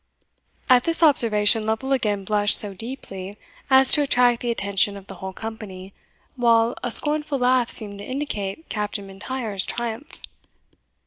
At this observation Lovel again blushed so deeply as to attract the attention of the whole company, while, a scornful laugh seemed to indicate Captain M'Intyre's triumph.